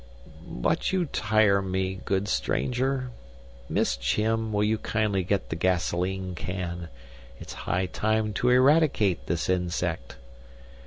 "But you tire me, good stranger. Miss Chim, will you kindly get the gasoline can? It's high time to eradicate this insect."